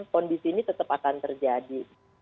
kondisi ini tetap akan terjadi